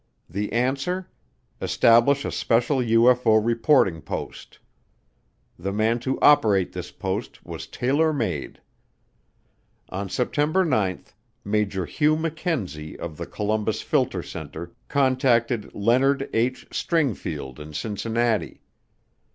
The answer: establish a special UFO reporting post. The man to operate this post was tailor made. On September 9, Major Hugh McKenzie of the Columbus Filter Center contacted Leonard H. Stringfield in Cincinnati.